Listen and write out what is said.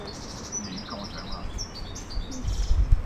你過獎啦